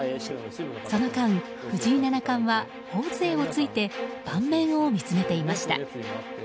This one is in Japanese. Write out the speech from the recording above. その間、藤井七冠は頬杖をついて盤面を見つめていました。